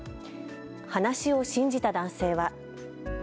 話を信じた男性は。